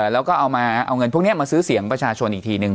แล้วก็เอาเงินพวกนี้มาซื้อเสียงประชาชนอีกทีนึง